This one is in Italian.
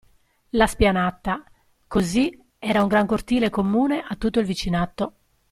La spianata, così, era un gran cortile comune a tutto il vicinato.